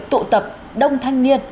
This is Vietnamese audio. tụ tập đông thanh niên